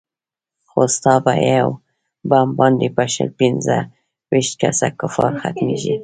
خو ستا په يو بم باندې به شل پينځه ويشت كسه كفار ختميږي.